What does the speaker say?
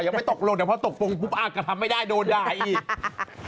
ยังไม่ตกลงแต่พอตกปรุงปุ๊บอ้าวก็ทำไม่ได้โดนด่าอีก